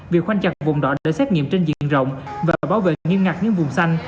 việc khoanh chặt vùng đó để xét nghiệm trên diện rộng và bảo vệ nghiêm ngặt những vùng xanh